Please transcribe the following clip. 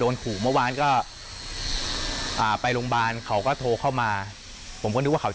นี่ค่ะคุณ